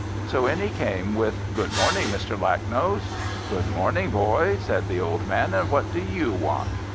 So in he came with "Good morning, Mr. Lacknose!" "Good morning, boy," said the old man. "And what do you want?"